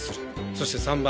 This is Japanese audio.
そして３番。